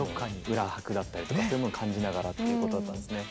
裏拍だったりとかそういうもの感じながらということだったんですね。